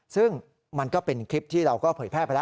ซึ่งมันก็เป็นคลิปที่เราก็เผยแพร่ไปแล้ว